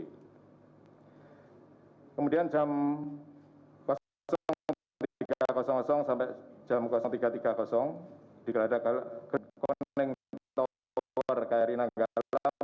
kemudian jam tiga puluh sampai jam tiga puluh dikelada ke kri nanggala